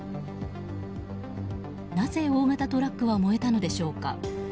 なぜ大型トラックは燃えたのでしょうか。